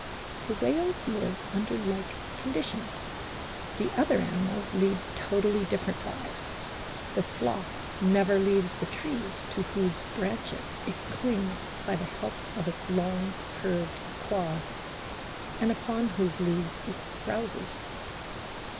The whales live under like conditions ; the other animals lead totally different lives. The sloth never leaves the trees to whose branches it clings by the help of its long curved claws, and upon whose leaves it browses.